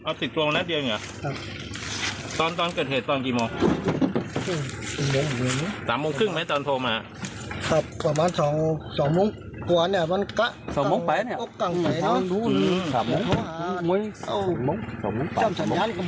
วิทยาลังค์ถามอย่างมีไปก้น